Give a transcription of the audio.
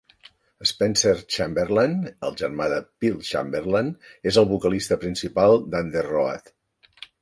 Spencer Chamberlain, el germà de Phil Chamberlain, és el vocalista principal d'Underoath.